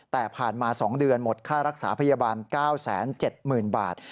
แต่ผ่านมา๒เดือนหมดค่ารักษาพยาบาล๙๗๐๐๐บาท